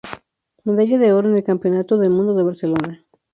Medalla de oro en el Campeonato del Mundo de Barcelona.